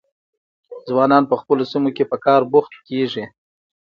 ځوانان په خپلو سیمو کې په کار بوخت کیږي.